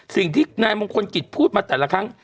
สิ่งที่นายมงคลกิจพูดมาแต่ละครั้ง